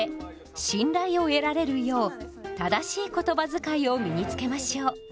信頼を得られるよう正しいことばづかいを身につけましょう。